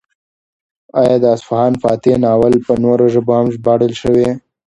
ایا د اصفهان فاتح ناول په نورو ژبو هم ژباړل شوی؟